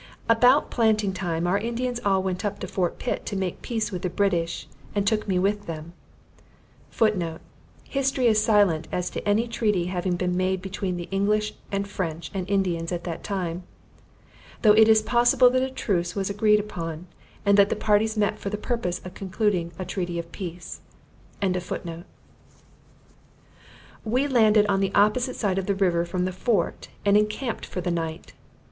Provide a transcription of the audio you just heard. About planting time, our Indians all went up to Fort Pitt, to make peace with the British, and took me with them. [Footnote: History is silent as to any treaty having been made between the English, and French and Indians, at that time; though it is possible that a truce was agreed upon, and that the parties met for the purpose of concluding a treaty of peace.] We landed on the opposite side of the river from the fort, and encamped for the night.